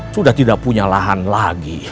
sudah tidak punya lahan lagi